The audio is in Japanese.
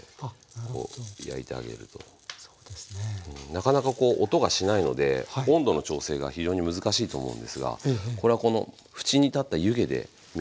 なかなかこう音がしないので温度の調整が非常に難しいと思うんですがこれはこの縁に立った湯気で見て頂くといいですね。